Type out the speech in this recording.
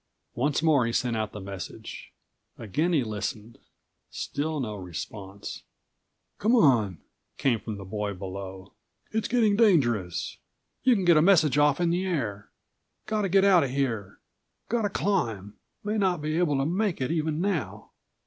Once more he sent out the message; again he listened. Still no response. "C'm'on," came from the boy below. "It's getting dangerous. You can get a message off in the air. Gotta get out o' here. Gotta climb. May not be able to make it even now."